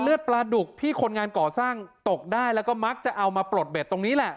ปลาดุกที่คนงานก่อสร้างตกได้แล้วก็มักจะเอามาปลดเบ็ดตรงนี้แหละ